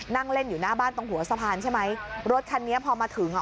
นั่งเล่นอยู่หน้าบ้านตรงหัวสะพานใช่ไหมรถคันนี้พอมาถึงอ่ะ